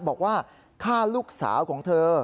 บอกว่าฆ่าลูกสาวของเธอ